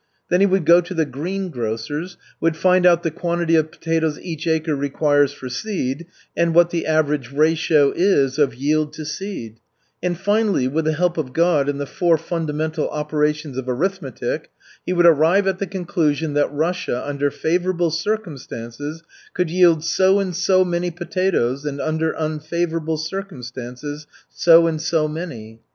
Then he would go to the greengrocer's, would find out the quantity of potatoes each acre requires for seed and what the average ratio is of yield to seed, and, finally, with the help of God and the four fundamental operations of arithmetic, he would arrive at the conclusion that Russia under favorable circumstances could yield so and so many potatoes and under unfavorable circumstances, so and so many.